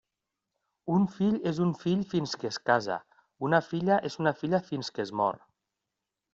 Un fill és un fill fins que es casa; una filla és una filla fins que es mor.